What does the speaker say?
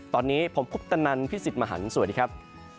ตอนนี้ผมคุปตนันพี่สิทธิ์มหันฯสวัสดีครับ